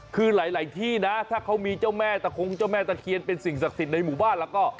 คือหลายที่นะถ้าเขามีเจ้าแม่ตะคงเจ้าแม่ตะเคียนเป็นสิ่งศักดิ์สิทธิ์ในหมู่บ้านแล้วก็